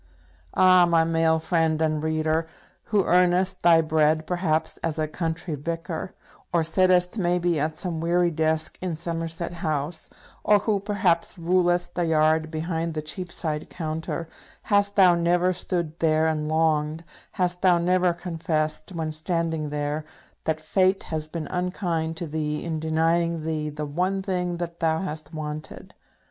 Ah, my male friend and reader, who earnest thy bread, perhaps, as a country vicar; or sittest, may be, at some weary desk in Somerset House; or who, perhaps, rulest the yard behind the Cheapside counter, hast thou never stood there and longed, hast thou never confessed, when standing there, that Fate has been unkind to thee in denying thee the one thing that thou hast wanted?